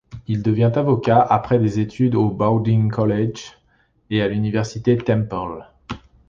Il devient avocat après des études au Bowdoin College et à l'université Temple.